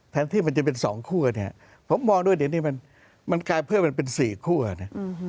แทนที่มันจะเป็นสองขั้วเนี่ยผมมองด้วยเดี๋ยวนี้มันกลายเป็นเป็นสี่ขั้วเนี่ย